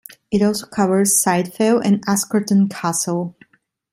It also covers Side Fell and Askerton Castle.